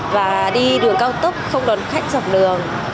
và đi đường cao tốc không đón khách dọc đường